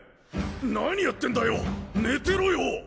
何やってんだよ寝てろよ